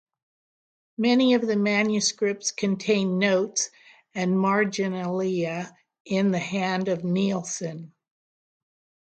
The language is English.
Many of the manuscripts contain notes and marginalia in the hand of Neilson.